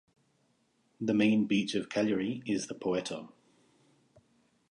The main beach of Cagliari is the Poetto.